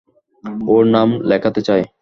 ওর নাম লেখাতে চাই।